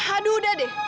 aduh udah deh